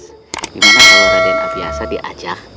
bagaimana kalau raden abiasa diajak